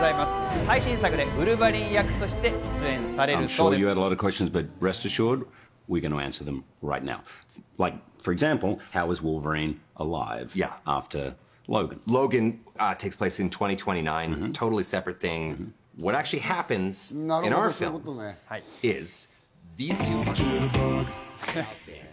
最新作でウルヴァリン役として出演されるそうです。